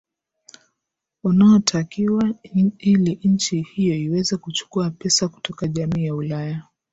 unaotakiwa ili nchi hiyo iweze kuchukua pesa kutoka jamii ya ulaya